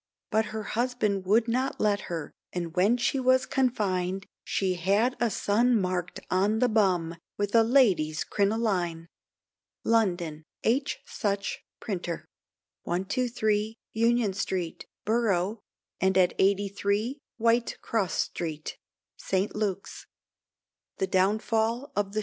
But her husband would not let her, and when she was confined, She had a son mark'd on the bum, with a lady's crinoline! London: H. SUCH, Printer, 123, Union Street, Boro', and at 83, White Cross Street, St. Luke's. THE DOWNFALL OF CHIGNONS.